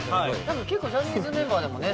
結構ジャニーズメンバーでもね